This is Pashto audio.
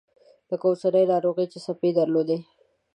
لکه اوسنۍ ناروغي چې څپې درلودې.